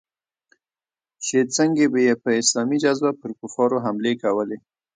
چې څنگه به يې په اسلامي جذبه پر کفارو حملې کولې.